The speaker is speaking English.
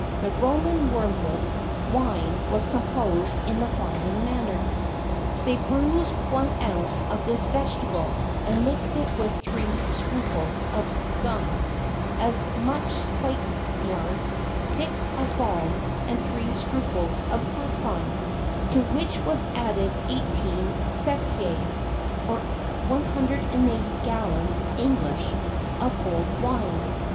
[X 54] The Roman wormwood wine was composed in the following manner: They bruised one ounce of this vegetable, and mixed it with three scruples of gum, as much spikenard, six of balm, and three scruples of saffron; to which was added eighteen setiers, or 180 gallons English, of old wine.